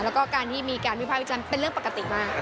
แล้วก็การที่มีการวิภาควิจารณ์เป็นเรื่องปกติมาก